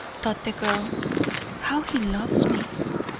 thought the girl; "how he loves me."